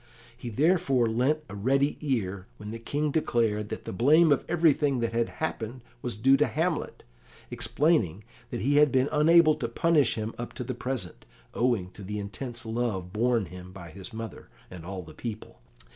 He therefore lent a ready ear when the King declared that the blame of everything that had happened was due to Hamlet, explaining that he had been unable to punish him up to the present, owing to the intense love borne him by his mother, and all the people.